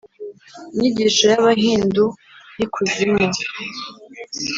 inyigisho y’abahindu y’ikuzimu